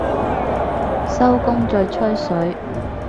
收工再吹水